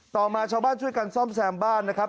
ต่อมาชาวบ้านช่วยกันซ่อมแซมบ้านนะครับ